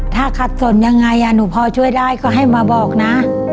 ถ้าขัดสนยังไงหนูพอช่วยได้ก็ให้มาบอกนะ